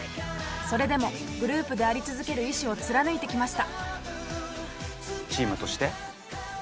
それでもグループであり続ける意思を貫いてきました。